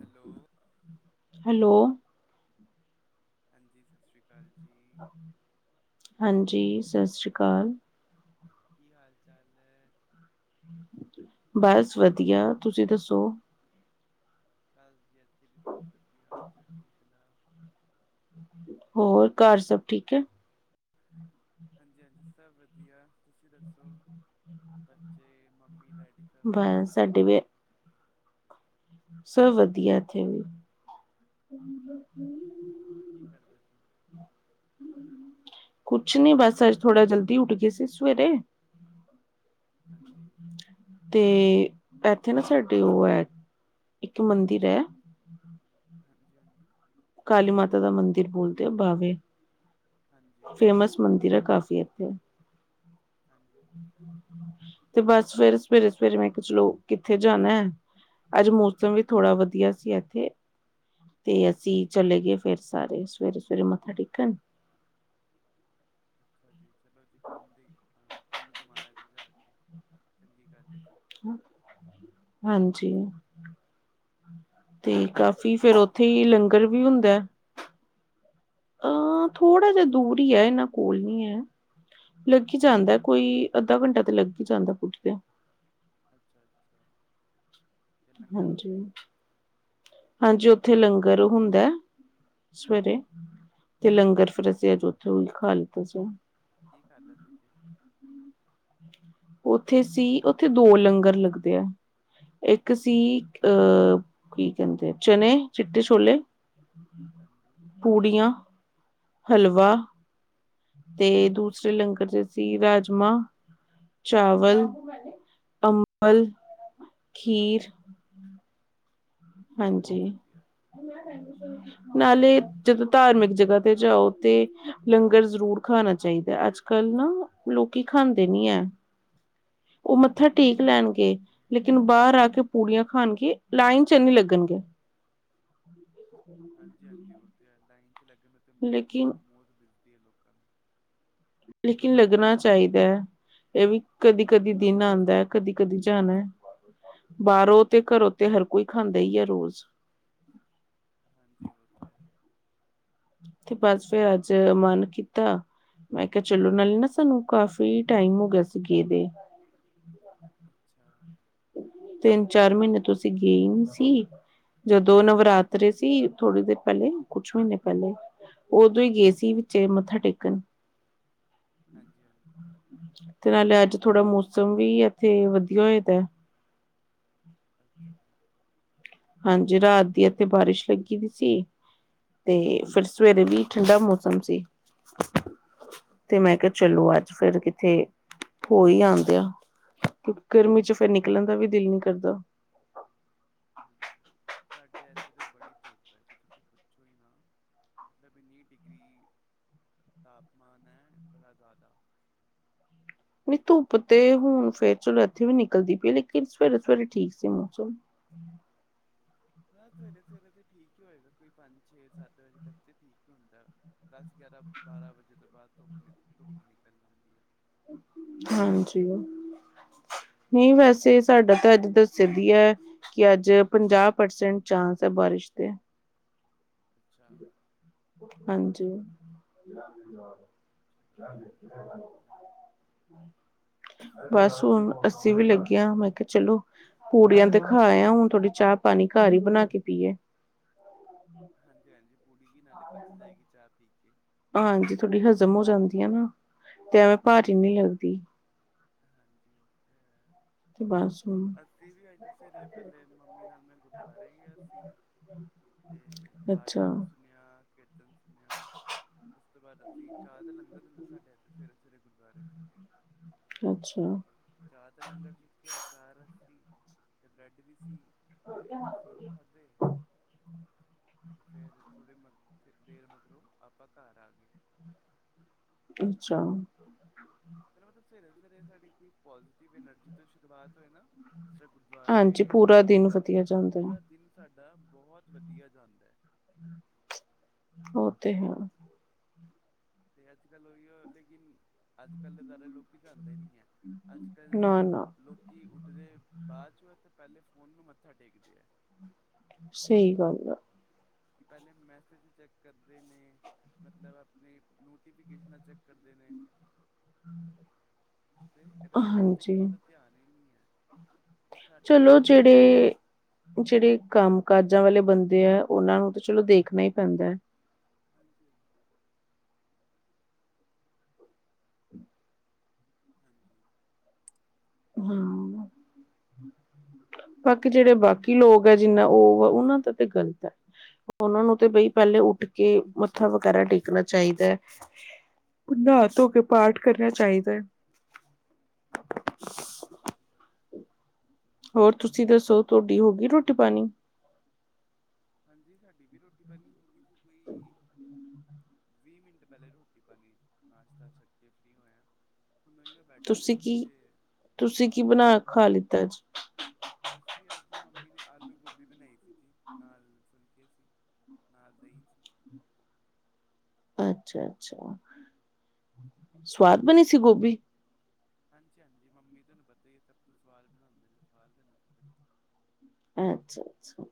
Hello hello ਹਾਂਜੀ ਸਤ ਸ਼੍ਰੀ ਅਕਾਲ ਜੀ। ਹਾਂਜੀ ਸਤਿ ਸ਼੍ਰੀ ਅਕਾਲ ਕੀ ਹਾਲ ਚਾਲ ਬਸ ਵਧੀਆ ਤੁਸੀਂ ਦੱਸੋ। ਬਸ ਜੀ ਇੱਥੇ ਵੀ ਸਭ ਵਧੀਆ ਚੜ੍ਹਦੀ ਕਲਾ ਹੋਰ ਘਾਰ ਸਭ ਠੀਕ ਏ। ਹਾਂਜੀ- ਹਾਂਜੀ ਸਭ ਵਧੀਆ ਤੁਸੀਂ ਦੱਸੋ ਬੱਚੇ ਮੰਮੀ ਡੈਡੀ ਸਭ ਵਧੀਆ ਬਸ ਸਾਡੇ ਵੇ ਸਭ ਵਧੀਆ ਏਥੇ ਵੀ। [inaudible] ਹਾਂਜੀ ਹੋਰ ਕੀ ਕਰਦੇ ਪਏ ਓ। [inaudible] ਕੁਛ ਨੀ ਬਸ ਅਜ ਥੋੜਾ ਜਲਦੀ ਉਠਗੇ ਸੀ ਸਵੇਰੇ ਹਾਂਜੀ ਤੇ ਏਥੇ ਨਾ ਸਾਡੇ ਓ ਐ ਇੱਕ ਮੰਦਿਰ ਐ। ਹਾਂਜੀ- ਹਾਂਜੀ ਕਾਲੀ ਮਾਤਾ ਦਾ ਮੰਦਿਰ ਬੋਲਦੇ ਆ ਬਾਵੇ ਹਾਂਜੀ ਫੇਮਸ ਮੰਦਿਰ ਐ ਕਾਫੀ ਏਥੇ ਹਾਂਜੀ-ਹਾਂਜੀ ਤੇ ਬਸ ਫੇਰ ਸਵੇਰੇ- ਸਵੇਰੇ -ਸਵੇਰੇ ਮੈਂ ਕਿਹਾ ਚਲੋ ਕਿੱਥੇ ਜਾਣਾ। ਅੱਜ ਮੌਸਮ ਵੀ ਥੋੜਾ ਵਧੀਆ ਸੀ ਅੱਗੇ ਤੇ ਅਸੀ ਚਲੇਗੇ ਫੇਰ ਸਾਰੇ ਸਵੇਰੇ-ਸਵੇਰੇ ਮੱਥਾ ਟੇਕਨ ਅੱਛਾ ਜੀ ਚਲੋ ਜੀ ਪੁੁੰਨ ਦੀ ਅ ਪੁੰਨ ਕਮਾਇਆ ਜੇ ਜਾਕੇ ਚੰਗੀ ਗੱਲ ਏ ਜੀ। ਹਾਂਜੀ। ਤੇ ਕਾਫੀ, ਫੇਰ ਲਾਗ ਓਥੇ ਈ ਲਾਗੇ ਹੀ ਹੈ ਲੰਗਰ ਵੀ ਕਿ ਹੁੰਦਾ? ਦੂਰ ਹੈ ਅ ਥੋੜਾ ਜਿਹਾ ਹਾਂਜੀ, ਦੂਰ ਈ ਹੈ ਇਨਾ ਕੋਲ ਨੀ ਹੈ। ਲੱਗ ਈ ਜਾਂਦਾ ਕੋਈ, ਅੱਧਾ ਘੰਟਾ ਤੇ ਲਗ ਈ ਜਾਂਦਾ ਪਹੁੰਚਦਿਆਂ। ਅੱਛਾ, ਅੱਛਾ। ਤੇ ਲੰਗਰ ਹਾਂਜੀ, ਉੱਥੇ ਹੀ ਹਾਂਜੀ ਉਥੇ ਲੰਗਰ ਹੁੰਦੈ, ਹਾਂਜੀ ਸਵੇਰੇ। ਤੇ ਲੰਗਰ ਫਿਰ ਅਸੀ ਅਜ ਉੱਥੇ ਓਈ ਖਾ ਲਿਤਾ ਸੀ। ਕੀ ਖਾਦਾ ਸੀ ਜੇ? ਓਥੇ ਸੀ, ਓਥੇ ਦੋ ਲੰਗਰ ਲਗਦੈ। ਇਕ ਸੀ ਅ, ਕੀ ਕਹਿੰਦੇ ਚਨੇ, ਚਿੱਟੇ ਛੋਲੇ। [inaudible] ਹਾਂਜੀ। ਪੂੜੀਆਂ, ਹਮ, ਹਲਵਾ, ਤੇ ਦੂਸਰੇ ਅੱਛਾ ਲੰਗਰ ਵਿੱਚ ਸੀ ਰਾਜਮਾ ਚਾਵਲ, ਅੰਬਲ। ਅੱਛਾ, ਖੀਰ ਅੱਛਾ। ਚਲੋ ਜੀ ਹਾਂਜੀ, ਵਧੀਆ ਵਧੀਆ ਜੀ ਨਾਲੇ ਵਧੀਆ ਜਦੋ ਧਾਰਮਿਕ ਜਗਾ ਤੇ ਜਾਓ ਤੇ ਲੰਗਰ ਜ਼ਰੂਰ ਖਾਨਾ ਚਾਈਦਾ ਅਜ ਕਲ ਨਾ, ਲੋਕੀ ਖਾਂਦੇ ਨੀ ਹੈ। ਓ ਮੱਥਾ ਟੇਕ ਹਾਂਜੀ ਹਾਂਜੀ ਲੈਨਗੇ, ਉਹ ਤੇ ਹੈ ਲੇ ਲੇਕਿਨ ਬਾਰ ਆਕੇ ਪੂੜੀਆਂ ਖਾਨਗੇ ਲਾਈਨਚ ਨੀ ਲਗਨਗੇ। ਹਾਂਜੀ, ਹਾਂਜੀ ਉਥੇ ਲਾਈਨ ਚ ਲਗਨ ਤੇ ਮੌਤ, ਲੇਕਿਨ ਮੌਤ ਦਿਸਦੀ ਏ ਲੋਕਾਂ ਨੂੰ ਲੇਕਿਨ ਲਗਨਾ ਚਾਹੀਦਾ ਏ। ਏਵੀ ਕਦੀ, ਕਦੀ ਦਿਨ ਆਂਦਾ ਕਦੀ, ਕਦੀ ਜਾਣੈ। ਬਾਹਰੋ ਤੇ, ਘਰੋ ਤੇ ਹਰ ਕੋਈ ਖਾਂਦਾਈ ਏ ਰੋਜ਼। ਹਾਂਜੀ, ਓ ਤੇ ਹੈ। ਤੇ ਬਸ ਫੇਰ ਅਜ, ਮਨ ਕੀਤਾ ਮੈਂ ਕਿਹਾ ਚਲੋ ਨਾਲੇ ਨਾ ਸਾਨੂੰ ਕਾਫੀ ਟਾਈਮ ਹੋ ਗਿਆ ਸੀ ਗਏ ਦੇ। ਅੱਛਾ। ਤਿੰਨ, ਚਾਰ ਮਹੀਨੇ ਤੋ ਅਸੀ ਗਏ ਨੀ ਸੀ। ਜਦੋਂ ਨਵਰਾਤਰੇ ਸੀ, ਥੋੜੀ ਦਿਨ ਪੈਲੇ, ਕੁਛ ਮਹੀਨੇ ਪਹਿਲੇ। ਓਦੋਂ ਈ ਗਏ ਸੀ ਵਿਚੇ ਮੱਥਾ ਟੇਕਨ। ਹਾਂਜੀ, ਹਾਂਜੀ। ਤੇ ਨਾਲੇ ਅਜ ਥੋੜਾ ਮੌਸਮ ਵੀ ਇਥੇ ਵਧੀਆ ਹੋਇਆ ਦਾ। ਅੱਛਾ। ਹਾਂਜੀ, ਰਾਤ ਦੀ ਇੱਥੇ ਬਾਰਿਸ਼ ਲੱਗੀ ਵੀ ਸੀ। ਅਤੇ ਫਿਰ ਸਵੇਰੇ ਵੀ ਠੰਢਾ ਮੌਸਮ ਸੀ। ਤੇ ਮੈਂ ਕਿਹਾ ਹਮ ਚਲੋ ਅੱਜ ਫਿਰ ਕਿਥੇ। ਹੋ ਹੀ ਆਉਂਦੇ ਆ ਗਰਮੀ ਚ ਫਿਰ ਨਿਕਲਣ ਦਾ ਵੀ ਦਿਲ ਨੀ ਕਰਦਾ। ਹਾਂਜੀ। ਸਾਡੇ ਇੱਥੇ ਤੇ ਬੜੀ ਧੁੱਪ ਹੈ ਜੀ ਤੁਸੀਂ ਪੁੱਛੋ ਹੀ ਨਾ। ਮਤਲਬ ਇੰਨੀ ਡਿਗਰੀ ਤਾਪਮਾਨ ਹੈ ਬੜਾ ਜ਼ਿਆਦਾ। ਨਹੀਂ ਧੁੱਪ ਤੇ ਹੁਣ ਫੇਰ ਚਲੋ ਇੱਥੇ ਵੀ ਨਿਕਲਦੀ ਪਈ ਲੇਕਿਨ ਸਵੇਰੇ ਸਵੇਰੇ ਠੀਕ ਸੀ ਮੌਸਮ। ਹਾਂ ਸਵੇਰੇ ਸਵੇਰੇ ਤੇ ਠੀਕ ਹੀ ਹੋਏਗਾ ਕੋਈ ਪੰਜ ਛੇ ਸੱਤ ਵਜੇ ਤੱਕ ਤੇ ਠੀਕ ਹੁੰਦਾ। ਦਸ ਗਿਆਰਾਂ ਬਾਰਾਂ ਵਜੇ ਤੋਂ ਬਾਅਦ ਧੁੱਪ ਧੁੱਪ ਨਿਕਲ ਆਉਂਦੀ ਆ। ਹਾਂਜੀ। ਨਹੀਂ ਵੈਸੇ ਸਾਡਾ ਤਾਂ ਅੱਜ ਦੱਸਿਆ ਵੀ ਹੈ। ਕਿ ਅੱਜ ਪੰਜਾਹ ਪਰਸੈਂਟ ਚਾਂਸ ਹੈ ਬਾਰਿਸ਼ ਦੇ। ਅੱਛਾ। ਹਾਂਜੀ। ਚਲੋ ਜੀ ਵਧੀਆ, ਵਧੀਆ। ਬਸ ਹੁਣ ਅੱਸੀ ਵੀ ਲੱਗਿਆ ਮੈਂ ਕਿਹਾ ਚਲੋ ਪੂੜੀਆਂ ਤੇ ਖਾ ਆਏ ਹੁਣ ਥੋੜ੍ਹੀ ਚਾਹ ਪਾਣੀ ਘਰ ਹੀ ਬਣਾ ਕੇ ਪੀਏ। ਹਾਂਜੀ, ਹਾਂਜੀ ਪੂੜੀ ਵੀ ਨਾਲੇ ਪਚ ਜਾਏਗੀ ਚਾਹ ਪੀ ਕੇ ਹਾਂਜੀ ਥੋੜੀ ਹਜ਼ਮ ਹੋ ਜਾਂਦੀ ਆ ਨਾ ਤੇ ਐਵੇਂ ਭਾਰੀ ਨੀ ਲੱਗਦੀ। ਹਾਂਜੀ ਓ ਤੇ ਹੈ। ਬਸ ਹੁਣ ਅਸੀਂ ਵੀ ਅੱਜ ਸਵੇਰੇ ਪਹਿਲੇ ਮੰਮੀ ਨਾਲ ਮੈਂ ਗੁਰਦੁਆਰੇ ਗਿਆ ਸੀ। ਹਾਂ [unintelligible] ਤੇ ਪਾਠ ਪੁਠ ਸੁਣਿਆ ਕੀਰਤਨ ਸੁਣਿਆ। ਉਸ ਤੋਂ ਬਾਅਦ ਅਸੀਂ ਚਾਹ ਦਾ ਲੰਗਰ ਹੁੰਦਾ ਸਾਡੇ ਇੱਥੇ ਸਵੇਰੇ ਸਵੇਰੇ ਗੁਰਦੁਆਰੇ ਚ ਹਾਂ [unintelligible] ਤੇ ਚਾਹ ਦਾ ਲੰਗਰ ਚੂਕਿਆ ਚਾਹ ਰਸ ਸੀ ਤੇ ਬ੍ਰੈਡ ਵੀ ਸੀ। ਤੇ ਅਸੀਂ ਉਹ ਖਾਧੇ ਤੇ ਫੇਰ ਥੋੜੇ ਮ ਫੇਰ ਦੇਰ ਮਗਰੋਂ ਆਪਾਂ ਘਰ ਆ ਗਏ। ਅੱਛਾ। ਚਲੋ ਮਤਲਬ ਸਵੇਰੇ ਸਵੇਰੇ ਸਾਡੀ ਕੋ ਪੋਜ਼ਟਿਵ ਐਨਰਜੀ ਤੋਂ ਸ਼ੁਰੂਆਤ ਹੋਏ ਨਾ ਚੇ ਹਾਂਜੀ ਗੁਰਦੁਆਰੇ ਕੋਈ ਪੂਰਾ ਦਿਨ ਮੰਦਿਰ ਵਧੀਆ ਜਾਂਦਾ ਪੂਰਾ ਹੈ। ਦਿਨ ਸਾਡਾ ਬਹੁਤ ਵਧੀਆ ਜਾਂਦਾ ਹੈ। ਉਹ ਤੇ ਹੈ। ਤੇ ਅੱਜ ਕੱਲ ਉਹੀਓ ਲੇਕਿਨ ਅੱਜ ਕੱਲ੍ਹ ਗੁਰਦੁਆਰੇ ਲੋਕੀ ਜਾਂਦੇ ਨੀ ਹੈ ਅੱਜ ਕੱਲ ਨਾ ਨਾ ਲੋਕ ਕੀ ਉੱਠਦੇ ਬਾਅਦ ਚੋਂ ਤੇ ਪਹਿਲੇ ਫੋਨ ਨੂੰ ਮੱਥਾ ਟੇਕਦੇ ਆ। ਸਹੀ ਗੱਲ ਆ। ਪਹਿਲੇ ਮੈਸੇਜ ਚੈੱਕ ਕਰਦੇ ਨੇ ਮਤਲਬ ਆਪਣੇ ਨੋਟੀਫਿਕੇਸ਼ਨਾਂ ਚੈੱਕ ਕਰਦੇ ਨੇ ਤੇ ਆ ਰੱਬ ਵੱਲ ਤੇ ਹਾਂਜੀ ਕਿਸੇ ਦਾ ਧਿਆਨ ਹੀ ਨਹੀਂ ਹੈ। ਉਹ ਸਾਡਾ ਚਲੋ ਟਾਈਮ ਹੀ ਸੀ ਜਿਹੜੇ, ਜਿਹੜੇ ਕੰਮ ਕਾਜਾਂ ਵਾਲੇ ਬੰਦੇ ਐ ਉਹਨਾਂ ਨੂੰ ਤਾਂ ਚਲੋ ਦੇਖਣਾ ਈ ਪੈਂਦਾ ਐ। ਹਾਂਜੀ, ਹਾਂਜੀ। ਹਾਂਜੀ। ਹਾਂ ਬਾਕੀ ਜਿਹੜੇ ਬਾਕੀ ਲੋਕ ਹੈ ਜਿੰਨਾ ਉਹ ਉਹਨਾਂ ਦਾ ਤੇ ਗ਼ਲਤ ਹੈ। ਉਹਨਾਂ ਨੂੰ ਤੇ ਬਈ ਪਹਿਲੇ ਉੱਠ ਕੇ ਮੱਥਾ ਵਗੈਰਾ ਟੇਕਣਾ ਚਾਹੀਦਾ ਐ। ਨਾਹ ਧੋ ਕੇ ਪਾਠ ਕਰਨਾ ਚਾਹੀਦਾ ਹੈ। ਜੀ ਔ ਤੇ ਹੈ। ਹੋਰ ਤੁਸੀ ਦਸੋ ਤੁਹਾਡੀ ਹੋ ਗਈ ਰੋਟੀ ਪਾਣੀ ਹਾਂਜੀ ਸਾਡੀ ਵੀ ਰੋਟੀ ਪਾਨੀ ਹੋ ਗਈ ਸੀ ਕੋਈ ਵੀਹ ਮਿੰਟ ਪਹਿਲੇ ਰੋਟੀ ਪਾਣੀ ਨਾਸ਼ਤਾ ਛਕੇ ਫ੍ਰੀ ਹੋਇਆ ਹੁਣ ਬੈਠੇ ਦੇ ਤੁਸੀ ਸੀ ਕੀ ਤੇ ਤੁਸੀ ਕੀ ਬਣਾ ਖਾ ਲਿੱਤਾ ਅਜ ਅਸੀ ਅਜ ਮੰਮੀ ਨੇ ਆਲੂ ਗੋਭੀ ਬਣਾਈ ਸੀ ਜੀ ਨਾਲ ਫੁੱਲਕੇ ਸੀ। ਨਾਲ ਦਈ ਸੀ। ਅਛਾ- ਅਛਾ ਸਵਾਦ ਬਣੀ ਸੀ ਗੋਭੀ ਹਾਂਜੀ ਹਾਂਜੀ ਮੰਮੀ ਤੁਹਾਨੂੰ ਪਤਾ ਹੀ ਹੈ। ਸਭ ਕੁਛ ਸਵਾਦ ਬਣਾਉਦੇ ਨੇ ਸਵਾਦ ਬਣ ਸੀ ਬੜੀ ਅਛਾ- ਅਛਾ-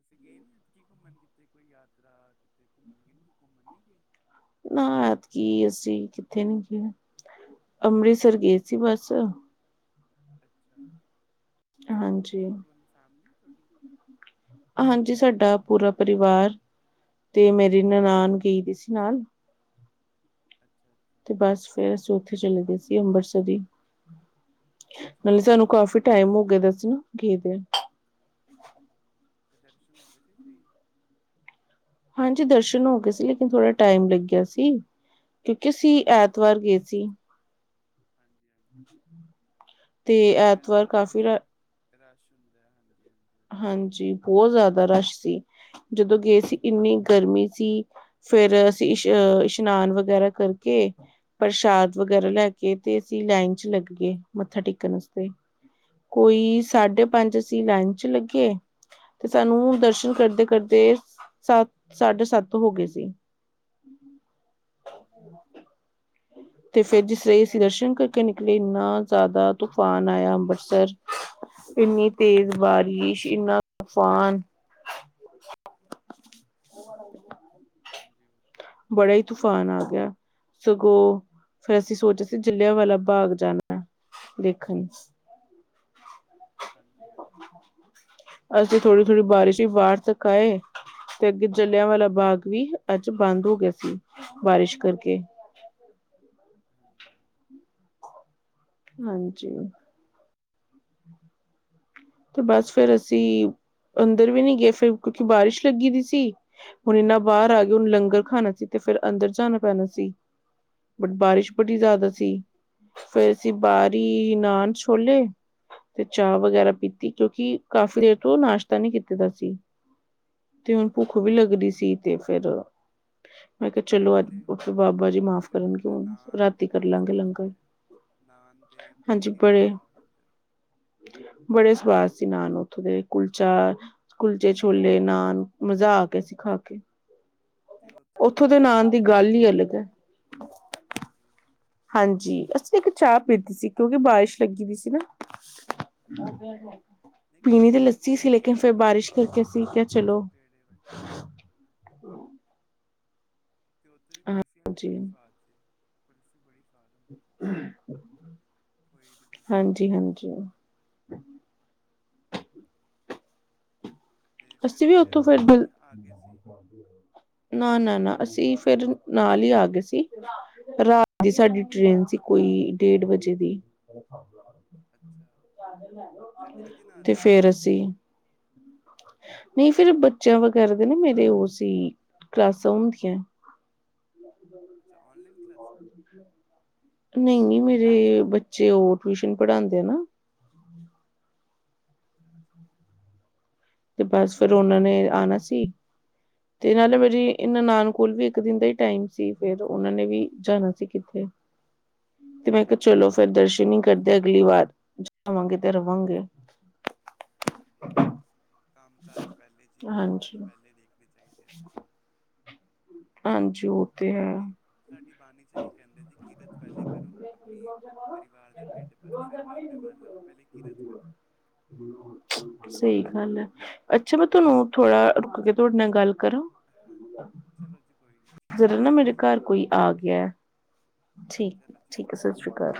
ਅਸੀ ਗਏ ਕੀਥੇ ਕੀ ਘੁੰਮਣ ਕਿਤੇ ਕੋਈ ਯਾਤਰਾ ਕਿਤੇ ਘੁੰਮਣ ਗਏ ਨੀ ਘੁੰਮਣ ਨੀ ਗਏ ਨਾ ਐਤ ਕੀ ਅਸੀ ਕਿਥੇ ਨੀ ਗ ਅੰਮ੍ਰਿਤਸਰ ਗਏ ਸੀ ਬਸ ਅਛਾ ਹਾਂਜੀ ਕੋਣ- ਕੋਣ ਫੈਮਿਲੀ ਤੁਹਾਡੀ ਹਾਂਜੀ ਸਾਡਾ ਪੂਰਾ ਪਰਿਵਾਰ ਤੇ ਮੇਰੀ ਹਾਂਜੀ ਨਨਾਨ ਗਈ ਦੀ ਸੀ ਨਾਲ- ਅਛਾ- ਅਛਾ- ਤੇ ਬਸ ਫੇਰ ਅਸੀ ਉਥੇ ਚਲੇ ਗਏ ਸੀ ਅੰਮ੍ਰਿਤਸਰ ਹੀ। ਅੱਛਾ ਮਤਲਬ ਤੇ ਸਾਨੂੰ ਕਾਫੀ ਦਰਸ਼ਨ ਟਾਈਮ ਹੋ ਗਿਆ ਸੀ ਗਏ ਦੇ ਹਾਂਜੀ ਹਾਂਜੀ ਤੇ ਦਰਸ਼ਨ ਹੋ ਗਏ ਸੀ ਸਹੀ। ਹਾਂਜੀ ਦਰਸ਼ਨ ਹੋ ਗਏ ਸੀ ਲੇਕਿਨ ਥੋੜਾ ਟਾਈਮ ਲਗਿਆ ਸੀ। ਕਿਉਕਿ ਅਸੀ ਐਤਵਾਰ ਗਏ ਸੀ। ਹਾਂਜੀ- ਹਾਂਜੀ ਤੇ ਸ਼ਨੀ ਐਤਵਾਰ ਤੇ ਕਾਫੀ ਰ ਰਸ਼ ਹੁੰਦਾ ਹਾਂਜੀ- ਹਾਂਜੀ- ਉਹ ਤੇ ਹਾਂਜੀ ਬਹੁਤ ਜ਼ਿਆਦਾ ਰਸ਼ ਸੀ ਜਦੋਂ ਗਏ ਸੀ ਇੰਨੀ ਗਰਮੀ ਸੀ। ਫੇਰ ਅਸੀ ਇ ਇਸ਼ਨਾਨ ਵਗੈਰਾ ਕਰਕੇ ਪ੍ਰਸ਼ਾਦ ਵਗੈਰਾ ਲੈ ਕੇ ਤੇ ਅਸੀ ਲਾਈਨ 'ਚ ਲਗ ਗਏ ਮਥਾ ਟੇਕਣ ਵਾਸਤੇ ਕੋਈ ਹੈ। ਸਾਢੇ ਹਾਂਜੀ ਪੰਜ ਅਸੀ ਲਾਈਨ 'ਚ ਲਗੇ ਤੇ ਸਾਨੂੰ ਦਰਸ਼ਨ ਕਰਦੇ- ਕਰਦੇ ਸੱਤ ਸਾਢੇ ਸੱਤ ਹੋ ਗਏ ਸੀ। ਹਮ ਹ [inaudible] [inaudible] ਹਾਂਜੀ- ਹਾਂ [inaudible] ਤੇ ਫਿਰ ਜਿਸ ਲਈ ਅਸੀ ਦਰਸ਼ਨ ਕਰਕੇ ਨਿਕਲੇ ਇੰਨਾ ਜਿਆਦਾ ਤੂਫਾਨ ਆਇਆ ਅੰਮ੍ਰਿਤਸਰ। ਇੰਨੀ ਤੇਜ ਬਾਰਿਸ਼ ਇੰਨਾ ਤੂਫ਼ਾਨ [unintelligible] [unintelligible] ਹਾਂਜੀ ਉਹ ਤਾਂ ਹੈ। ਬੜਾ ਹੀ ਤੂਫਾਨ ਆ ਗਿਆ ਸਗੋਂ, ਫਿਰ ਅਸੀ ਸੋਚਿਆ ਸੀ ਜਲਿਆਂ ਵਾਲਾ ਬਾਗ ਜਾਣਾ, ਦੇਖਣ ਹਾਂਜੀ- ਹਾਂਜੀ- ਅਸੀ ਥੋੜੀ- ਥੋੜੀ ਬਾਰਿਸ਼ ਹੀ ਬਾਹਰ ਤੱਕ ਆਏ ਤੇ ਅਗੇ ਜਲਿਆਂ ਵਾਲਾ ਬਾਗ ਵੀ ਅਜ ਬੰਦ ਹੋ ਗਿਆ ਸੀ ਬਾਰਿਸ਼ ਕਰਕੇ ਹਾਂਜੀ -ਹਾਂਜੀ- ਹਾਂਜੀ- ਤੇ ਬਸ ਫਿਰ ਅਸੀ ਅੰਦਰ ਵੀ ਨਹੀ ਗਏ ਫਿਰ ਕਿਉਕਿ ਬਾਰਿਸ਼ ਲਗੀ ਦੀ ਸੀ। ਹੁਣ ਇੰਨਾ ਬਾਹਰ ਆ ਗਏ ਹੁਣ ਹਾਂਜੀ ਲੰਗਰ ਖਾਣਾ ਸੀ ਤੇ ਫਿਰ ਅੰਦਰ ਜਾਣਾ ਪੈਣਾ ਸੀ। ਬਟ ਬਾਰਿਸ਼ ਬੜੀ ਜ਼ਿਆਦਾ ਹਾਂਜੀ ਹਾਂਜੀ ਸੀ। ਫੇਰ ਅਸੀ ਹਮ, ਬਾਹਰੀ ਨਾਨ ਛੋਲੇ ਤੇ ਚਾਹ ਵਗੈਰਾ ਪੀਤੀ ਕਿਉਕਿ ਕਾਫ਼ੀ ਦੇਰ ਤੋ ਨਾਸ਼ਤਾ ਨਹੀ ਕੀਤਾ ਦਾ ਸੀ। ਤੇ ਹੁਣ ਭੁੱਖ ਵੀ ਅੱਛਾ ਲੱਗਦੀ ਸੀ ਤੇ ਫਿਰ ਮੈਂ ਕਿਹਾ ਚਲੋ ਅਜ ਹਲੇ ਫ ਬਾਬਾ ਜੀ ਮਾਫ਼ ਨਾਲੇ ਉੱਥੇ ਕਰਨਗੇ ਦੇ ਹੁਣ ਨਾਨ ਤੇ ਰਾਤੀ ਕਰ ਬੜੇ ਲਵਾਂਗੇ ਸਵਾਦ ਲੰਗਰ ਹੁੰਦੇ ਹੈ। ਨਾਨ ਤੇ ਹਾਂਜੀ ਪੈਟੀ ਬੜੀ ਬੜੇ ਸਵਾਦ ਉੱਥੇ ਬੜੇ ਸਵਾਦ ਸੀ ਨਾਨ ਉਥੋ ਦੇ ਕੁਲਚਾ, ਕੁਲਚੇ ਛੋਲੇ ਨਾਨ ਮਜ਼ਾ ਆ ਗਿਆ ਸੀ ਖਾ ਕੇ ਤੇ ਇੱਕ ਉੱਥੋਂ ਉਹ ਦੇ ਵੀ ਨਾਮ ਦੀ ਲੱਸੀ ਗੱਲ ਵੀ ਹੀ ਅਲੱਗ ਐ। ਹਾਂਜੀ। ਹਾਂਜੀ, ਅਸੀਂ ਇੱਕ ਚਾਹ ਪੀਤੀ ਸੀ, ਕਿਉਂਕਿ ਬਾਰਿਸ਼ ਲੱਗੀ ਬੀ ਸੀ ਨਾ। ਹਾਂਜੀ ਅ ਹਾਂਜੀ। [inaudible] ਨਹੀਂ [inaudible] ਪੀਣੀ ਕਹਿੰਦੇ ਤਾਂ ਆ ਉੱਥੇ ਲੱਸੀ ਸੀ, ਲੇਕਿਨ ਇੱਕ ਫੇਰ ਬਾਰਿਸ਼ ਗਿਆਨੀ ਕਰਕੇ ਅਸੀ ਕਿਹਾ ਚਲੋਂ ਪੇੜੇ ਵਾਲੀ ਹਾਂਜੀ ਹਾਂ ਤੇ ਉੱਥੋਂ ਦੀ ਕੁਲਫੀਆਂ ਵੀ ਹਾਂਜੀ। ਬੜੀ ਸਵਾਦ ਸੀ, ਕੁਲਫੀ ਬੜੀ ਸਵਾਦ ਹੁੰਦੀ ਬਹੁਤ, ਖੋਏ ਦੀ ਕੁਲਫ਼ੀ। ਜੀ, ਹਾਂਜੀ। ਤੇ ਫਿਰ ਅਸੀਂ ਵੀ ਉੱਥੇ ਉੱਥੋਂ ਫਿਰ ਰੁਕੇ ਬ ਸੀ ਜਾਂ ਆ ਗਏ ਸੀ? ਨਾ- ਨਾ- ਨਾ, ਅਸੀਂ ਫਿਰ ਨਾਲ ਹੀ ਆ ਗਏ ਸੀ, ਰਾਤ ਦੀ ਸਾਡੀ ਟ੍ਰੇਨ ਸੀ, ਅੱਛਾ ਕੋਈ ਡੇਢ ਵਜੇ ਦੀ। ਅੱਛਾ। ਤੇ ਅਗਲੇ ਦਿਨ ਆ ਤੇ ਜਾਂਦੇ ਫਿਰ ਅਸੀਂ ਨਹੀਂ ਫਿਰ ਬੱਚਿਆਂ ਵਗੈਰਾ ਦੇ ਨੇ ਮੇਰੇ ਉਹ ਸੀ, ਕਲਾਸਾਂ ਹੁੰਦੀਆਂ। ਅੱਛਾ, ਔਨਲਾਈਨ ਕਲਾਸਾਂ? ਨਈ-ਨਈ, ਜਾਂ ਟਿਊਸ਼ਨ। ਮੇਰੇ ਬੱਚੇ ਉਹ ਟਿਊਸ਼ਨ ਪੜਾਦੇ ਆ ਨਾ। ਅੱਛਾ-ਅੱਛਾ। ਤੇ ਬਸ ਫਿਰ ਉਹਨਾਂ ਨੇ ਜੀ ਆਣਾ ਵਧੀਆ। ਸੀ। ਤੇ ਨਾਲੇ ਮੇਰੀ ਇਹਨਾਂ ਨਾਨਣ ਕੋਲ ਵੀ ਇੱਕ ਦਿਨ ਦਾ ਹੀ ਟਾਈਮ ਸੀ, ਫਿਰ ਉਹਨਾਂ ਨੇ ਵੀ ਜਾਣਾ ਸੀ ਕਿੱਥੇ। [inaudible] ਤੇ ਮੈਂ ਕਿਹਾ ਚਲੋਂ, ਫਿਰ ਹਾਂਜੀ ਦਰਸ਼ਨ ਹੀ ਚਲੋ ਜੀ, ਕਰਦੇ ਅਗਲੀ ਵਾਰ ਜਾਵਾਂਗੇ ਤੇ ਰਵਾਂਗੇ। ਹਾਂਜੀ-ਹਾਂਜੀ, ਕੰਮ ਕਾਜ ਪਹਿਲੇ ਜੀ ਕੰਮ ਕਾਜ ਹਾਂਜੀ, ਪਹਿਲੇ ਦੇਖਣੇ ਚਾਹੀਦੇ ਆ ਬੱਚੇ ਨੂੰ ਹਾਂਜੀ ਉਹ। ਤੇ ਹੈ ਸਾਡੀ, ਸਾਡੀ ਬਾਣੀ ਚ ਵੀ ਕਹਿੰਦੇ ਜੀ, ਕਿਰਤ ਪਹਿਲੇ ਕਰੋ ਆਪਣੀ ਪਰਿਵਾਰ ਦਾ ਢਿੱਡ ਭਰੋ ਫੇਰ ਬਾਬੇ ਵੱਲ ਆਓ, ਪਹਿਲੇ ਕਿਰਤ ਕਰੋ। ਸਹੀ ਗੱਲ ਐ, ਅੱਛਾ ਮੈਂ ਤੁਹਾਨੂੰ ਥੋੜਾ ਰੁਕ ਕੇ ਤੁਹਾਡੇ ਨਾਲ ਗੱਲ ਕਰਾਂ? ਹਾਂਜੀ, ਚਲੋਂ ਜੀ ਕੋਈ ਨਹੀਂ ਠੀਕ ਐ ਜ਼ਰਾ ਜੀ, ਨਾ ਸਤਿ ਮੇਰੇ ਸ਼੍ਰੀ ਘਰ ਅਕਾਲ। ਕੋਈ ਆ ਗਿਆ ਠੀਕ, ਚਲੋਂ ਜੀ ਕੋਈ ਠੀਕ ਹੈ ਨੀ ਸਤਿ ਫਿਰ। ਸ਼੍ਰੀ ਅਕਾਲ।